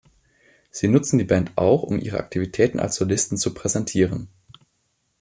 Sie nutzen die Band auch, um ihre Aktivitäten als Solisten zu präsentieren.